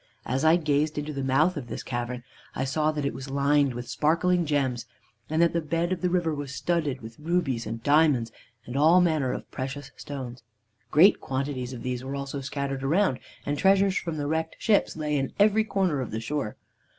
As I gazed into the mouth of this cavern I saw that it was lined with sparkling gems, and that the bed of the river was studded with rubies and diamonds and all manner of precious stones. Great quantities of these were also scattered around, and treasures from the wrecked ships lay in every corner of the shore.